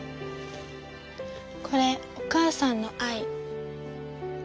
これお母さんの愛。